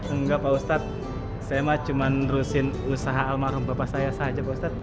enggak pak ustadz saya cuma nerusin usaha almarhum bapak saya saja pak ustadz